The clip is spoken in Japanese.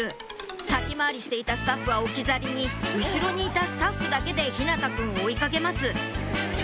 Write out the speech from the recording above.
先回りしていたスタッフは置き去りに後ろにいたスタッフだけで日向汰くんを追い掛けます